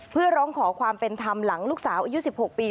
เพื่อร้องขอความเป็นธรรมหลังลูกสาวอายุ๑๖ปี